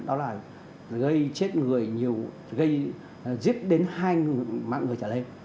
đó là gây chết người nhiều gây giết đến hai mạng người trả lệ